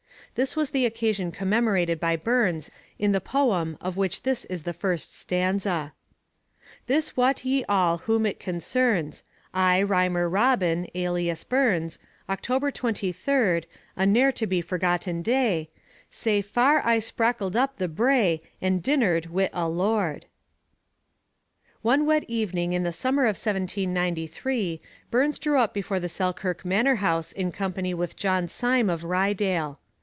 This was the occasion commemorated by Burns in the poem of which this is the first stanza: This wot ye all whom it concerns: I, Rhymer Robin, alias Burns, October twenty third, A ne'er to be forgotten day, Sae far I sprachl'd up the brae I dinner'd wi' a Lord. One wet evening in the summer of 1793 Burns drew up before the Selkirk manor house in company with John Syme of Ryedale.